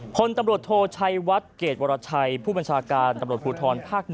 พลตำรวจโทชัยวัดเกรดวรชัยผู้บัญชาการตำรวจภูทรภาค๑